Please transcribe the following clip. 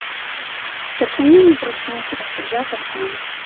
Старшыня не прачнуўся, суддзя таксама.